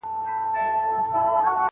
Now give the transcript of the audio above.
فراه هم ډېرې تاریخي کلاګاني لري.